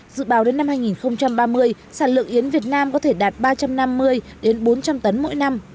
dự báo đến năm hai nghìn ba mươi sản lượng yến việt nam có thể đạt ba trăm năm mươi bốn trăm linh tấn mỗi năm